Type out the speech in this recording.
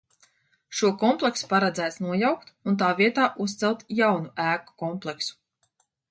Šo kompleksu paredzēts nojaukt un tā vietā uzcelt jaunu ēku kompleksu.